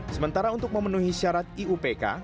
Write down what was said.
sementara untuk memenuhi syarat iupk